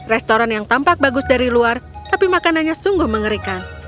restoran yang tampak bagus dari luar tapi makanannya sungguh mengerikan